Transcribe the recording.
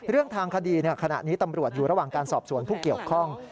เรื่องทางคดีขณะนี้ตำรวจอยู่ระหว่างการสอบสวนผู้เกี่ยวข้อง